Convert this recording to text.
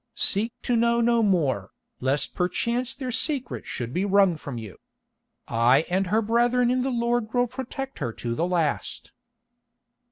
Seek to know no more, lest perchance their secret should be wrung from you. I and her brethren in the Lord will protect her to the last."